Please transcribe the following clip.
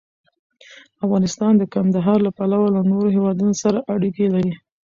افغانستان د کندهار له پلوه له نورو هېوادونو سره اړیکې لري.